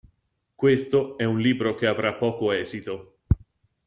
Questo è un libro che avrà poco esito.